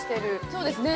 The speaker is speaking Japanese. そうですね。